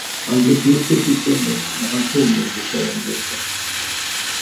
Han blev bitter till sinnes, när han påminde sig om detta.